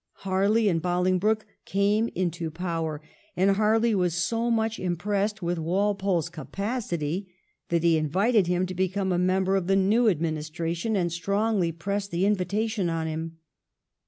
Harley and Bolingbroke came into power, and Harley was so much impressed with Walpole's capacity that he invited him to become a member of the new administration, and strongly pressed the invitation on him.